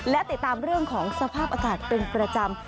และติดตามเรื่องของสภาพอากาศเป็นประจำ